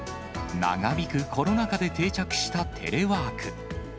長引くコロナ禍で定着したテレワーク。